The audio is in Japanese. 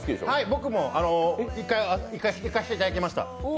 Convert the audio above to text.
僕も１回行かせていただきました。